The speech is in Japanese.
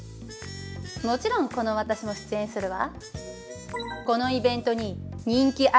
もちろんこの私も出演するわ。